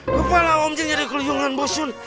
kepala om jin jadi keliungan bu shun